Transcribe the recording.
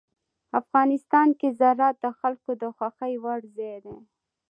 افغانستان کې زراعت د خلکو د خوښې وړ ځای دی.